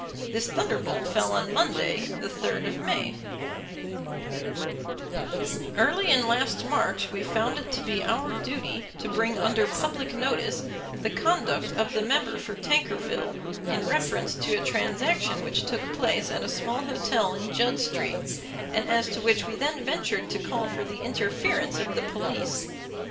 This thunderbolt fell on Monday, the 3rd of May: Early in last March we found it to be our duty to bring under public notice the conduct of the member for Tankerville in reference to a transaction which took place at a small hotel in Judd Street, and as to which we then ventured to call for the interference of the police.